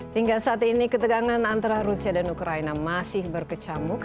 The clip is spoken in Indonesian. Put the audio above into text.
hingga saat ini ketegangan antara rusia dan ukraina masih berkecamuk